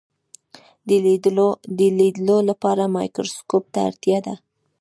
د لیدلو لپاره مایکروسکوپ ته اړتیا ده.